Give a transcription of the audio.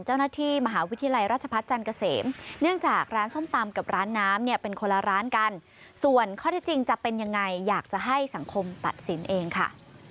เจ้าหน้าที่มหาวิทยาลัยราชพัฒน์จันทร์เกษมเนื่องจากร้านส้มตำกับร้านน้ำเนี่ยเป็นคนละร้านกันส่วนข้อที่จริงจะเป็นยังไงอยากจะให้สังคมตัดสินเองค่ะ